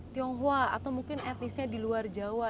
tionghoa atau mungkin etnisnya di luar jawa